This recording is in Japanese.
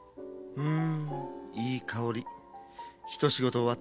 うん。